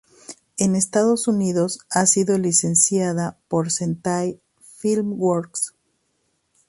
En Estados Unidos ha sido licenciada por Sentai Filmworks.